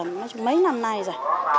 nói chung mấy năm nay rồi